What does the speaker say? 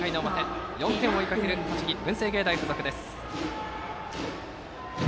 ４点を追いかける栃木・文星芸大付属です。